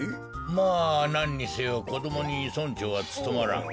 まあなんにせよこどもに村長はつとまらん。